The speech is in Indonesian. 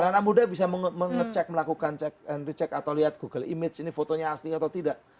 anak anak muda bisa mengecek melakukan check and recheck atau lihat google image ini fotonya asli atau tidak